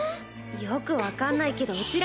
よく分かんないけどうち